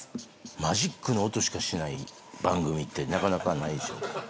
マジックの音しかしない番組ってなかなかないでしょ。